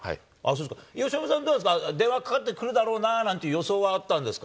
由伸さん、どうですか、電話かかってくるだろうななんていう予想はあったんですか。